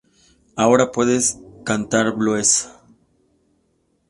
Ahora puedes cantar blues.